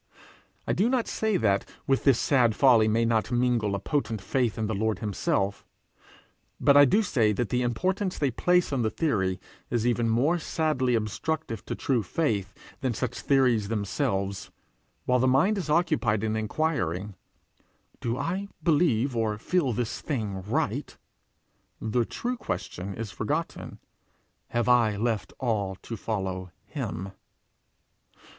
I do not say that with this sad folly may not mingle a potent faith in the Lord himself; but I do say that the importance they place on theory is even more sadly obstructive to true faith than such theories themselves: while the mind is occupied in enquiring, 'Do I believe or feel this thing right?' the true question is forgotten: 'Have I left all to follow him?'